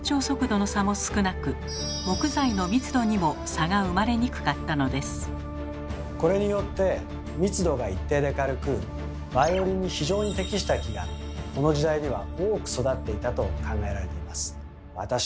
そのためこれによって密度が一定で軽くバイオリンに非常に適した木がこの時代には多く育っていたと考えられています。